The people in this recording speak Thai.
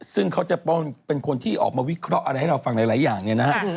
ซึ่งเขาจะเป็นคนที่ออกมาวิเคราะห์อะไรให้เราฟังหลายอย่างเนี่ยนะฮะ